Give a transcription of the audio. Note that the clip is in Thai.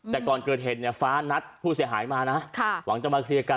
แต่ก่อนเกิดเหตุเนี่ยฟ้านัดผู้เสียหายมานะหวังจะมาเคลียร์กัน